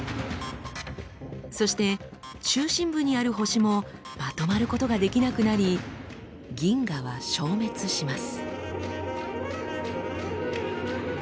そして中心部にある星もまとまることができなくなり銀河は消滅します。